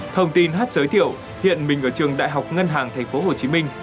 thông tin hát giới thiệu hiện mình ở trường đại học ngân hàng tp hcm